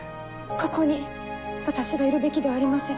ここに私がいるべきではありません。